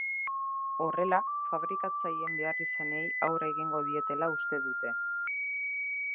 Horrela, fabrikatzaileen beharrizanei aurre egingo dietela uste dute.